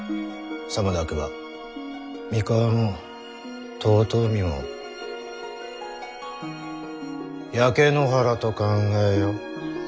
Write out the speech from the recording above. さもなくば三河も遠江も焼け野原と考えよ。